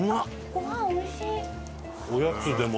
ご飯おいしい！